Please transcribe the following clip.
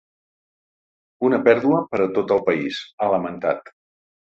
Una pèrdua per a tot el país, ha lamentat.